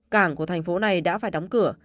cảng của thành phố này đã phải đóng cửa